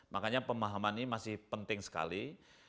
makanya pemahaman ini masih penting sekali